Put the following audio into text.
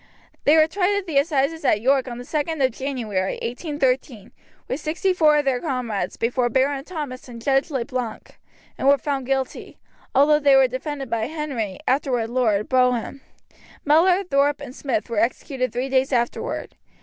They were tried at the assizes at York on the 2d of January, 1813, with sixty four of their comrades, before Baron Thomas and Judge Le Blanc, and were found guilty, although they were defended by Henry (afterward Lord) Brougham. Mellor, Thorpe, and Smith were executed three days afterward.